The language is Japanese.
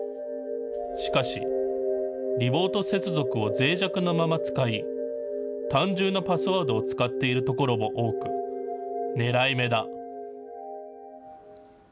しかし、リモート接続をぜい弱なまま使い、単純なパスワードを使っているところも多く、ねらい目だ。